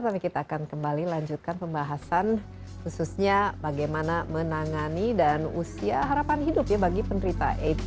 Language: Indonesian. tapi kita akan kembali lanjutkan pembahasan khususnya bagaimana menangani dan usia harapan hidup ya bagi penderita aid